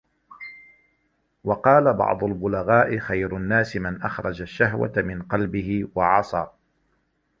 وَقَالَ بَعْضُ الْبُلَغَاءِ خَيْرُ النَّاسِ مَنْ أَخْرَجَ الشَّهْوَةَ مِنْ قَلْبِهِ ، وَعَصَى